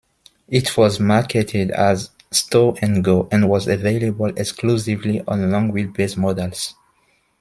It was marketed as "Stow 'N Go" and was available exclusively on long-wheelbase models.